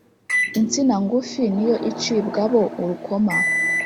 insina ngufi ni yo icibwabo urukoma